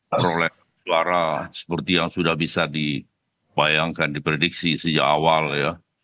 perolehan suara seperti yang sudah bisa dibayangkan diprediksi sejak awal ya